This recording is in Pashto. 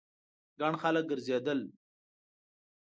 ګڼ خلک ګرځېدل.